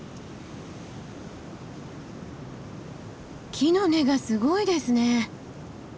木の根がすごいですね。